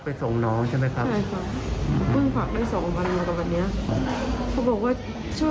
ไม่ต้องโทรหาไหนรู้แต่ว่ามันสู่คนโทรหารถกรนะฮะ